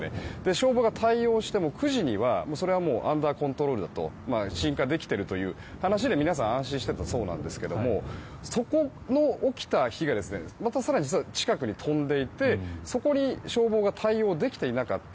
消防が対応して９時にはそれはアンダーコントロールだと鎮火できているという話で皆さん安心していたそうなんですがそこの起きた火がまた更に近くに飛んでいてそこに消防が対応できていなかった。